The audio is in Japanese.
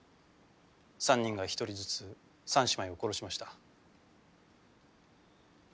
３人が１人ずつ３姉妹を殺しました。